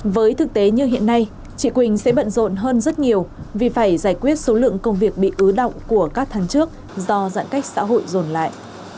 với thực tế như hiện nay chị quỳnh sẽ bận rộn hơn rất nhiều vì phải giải quyết số lượng công việc bị ứ động của các tháng trước do giãn cách xã hội rồn lại